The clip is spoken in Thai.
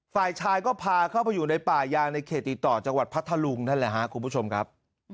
ฝ่ายชายก็พาเข้าไปอยู่ในป่ายางในเขตติดต่อจังหวัดพัทธลุงนั่นแหละครับคุณผู้ชมครับ